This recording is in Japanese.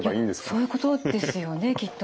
いやそういうことですよねきっとね。